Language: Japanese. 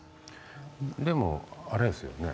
でもあれですよね